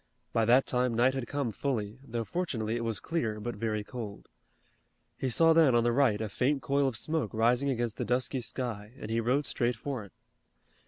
By that time night had come fully, though fortunately it was clear but very cold. He saw then on the right a faint coil of smoke rising against the dusky sky and he rode straight for it.